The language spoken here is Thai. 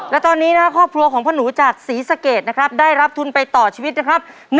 และตอนนี้นะครับครอบครัวของพ่อหนูจากศรีสะเกดนะครับได้รับทุนไปต่อชีวิตนะครับ